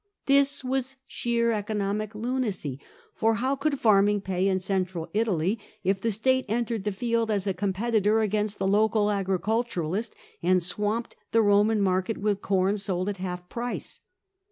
This was sheer economic lunacy, for how could farming pay in Central Italy, if the state entered the field as a competitor against the local agriculturist, and swamped the Eoman market with corn sold at half price?